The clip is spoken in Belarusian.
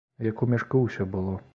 Як у мяшку ўсё было.